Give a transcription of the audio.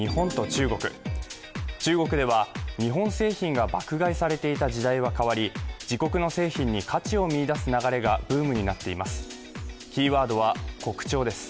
中国では日本製品が爆買いされていた時代は変わり自国の製品に価値を見いだす流れがブームになっています。